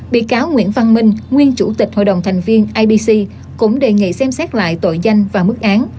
bị cáo nguyễn văn minh nguyên chủ tịch hội đồng thành viên ibc cũng đề nghị xem xét lại tội danh và mức án